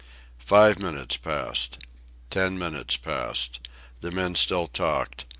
Five minutes passed. Ten minutes passed. The men still talked.